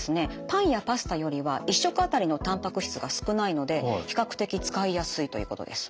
パンやパスタよりは１食あたりのたんぱく質が少ないので比較的使いやすいということです。